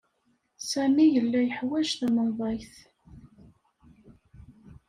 Sami yella yeḥwaj tamenḍayt.